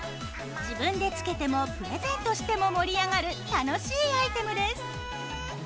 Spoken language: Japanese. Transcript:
自分で着けてもプレゼントしても盛り上がる楽しいアイテムです。